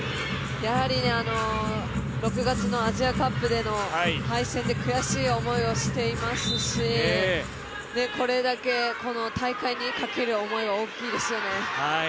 やはり６月のアジアカップでの敗戦で悔しい思いをしていますしこれだけ大会にかける思いは大きいですよね。